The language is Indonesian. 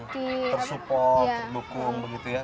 tersupport terdukung begitu ya